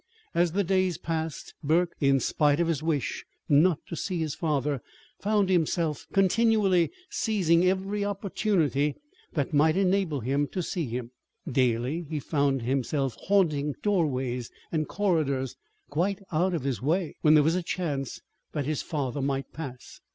As the days passed, Burke, in spite of his wish not to see his father, found himself continually seizing every opportunity that might enable him to see him. Daily he found himself haunting doorways and corridors, quite out of his way, when there was a chance that his father might pass.